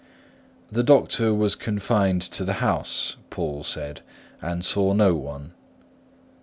"The doctor was confined to the house," Poole said, "and saw no one."